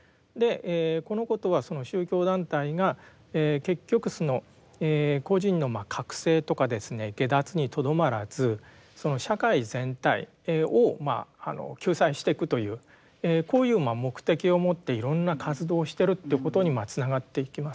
このことはその宗教団体が結局個人のまあ覚醒とかですね解脱にとどまらずその社会全体を救済してくというこういう目的を持っていろんな活動をしてるということにつながっていきます。